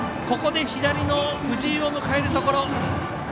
ここで左の藤井を迎えるところ。